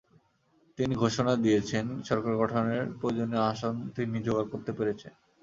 তিনি ঘোষণা দিয়েছেন, সরকার গঠনের প্রয়োজনীয় আসন তিনি জোগাড় করতে পেরেছেন।